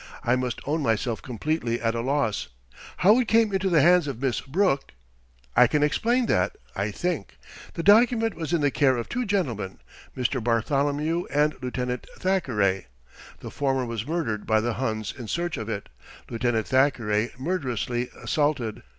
I must own myself completely at a loss. How it came into the hands of Miss Brooke " "I can explain that, I think. The document was in the care of two gentlemen, Mr. Bartholomew and Lieutenant Thackeray. The former was murdered by the Huns in search of it, Lieutenant Thackeray murderously assaulted.